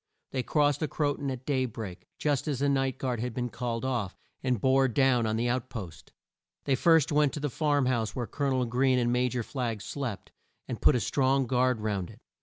They crossed the Cro ton at day break, just as the night guard had been called off, and bore down on the out post. They first went to the farm house where Col o nel Greene and Ma jor Flagg slept, and put a strong guard round it.